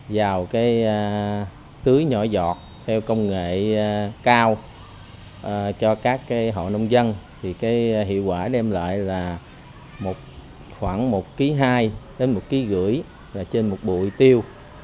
vào cái tưới nhỏ giọt theo công nghệ cao cho các hộ nông dân thì cái hiệu quả đem lại là khoảng một hai một năm kg trên một bụi tiêu